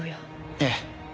ええ。